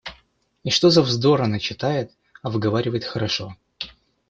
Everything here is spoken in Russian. И что за вздор она читает, а выговаривает хорошо.